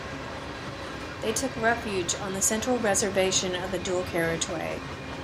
They took refuge on the central reservation of the dual carriageway